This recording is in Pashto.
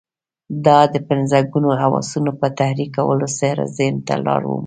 دا د پنځه ګونو حواسو په تحريکولو سره ذهن ته لار مومي.